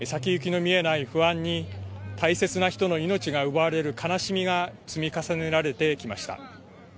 不安に大切な人の命が奪われる悲しみが積み重ねられてきました。